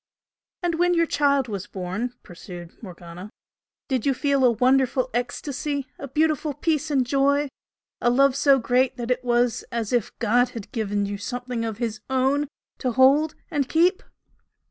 "And when your child was born" pursued Morgana "did you feel a wonderful ecstasy? a beautiful peace and joy? a love so great that it was as if God had given you something of His Own to hold and keep?"